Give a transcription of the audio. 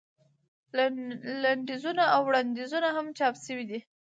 لنډیزونه او وړاندیزونه هم چاپ شوي دي.